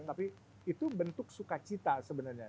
tapi itu bentuk sukacita sebenarnya